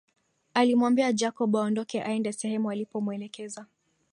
Alimwambia Jacob aondoke aende sehemu alipomuelekeza